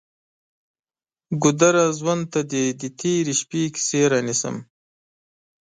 ګودره! ژوند ته دې د تیرې شپې کیسې رانیسم